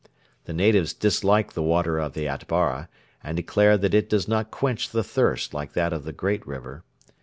The natives dislike the water of the Atbara, and declare that it does not quench the thirst like that of the great river.